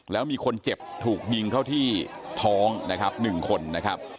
แล้วมีคนเจ็บถูกยิงเข้าที่ท้องนะครับ๑คนนะครับ